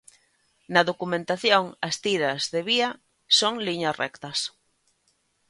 Na documentación as tiras de vía son liñas rectas.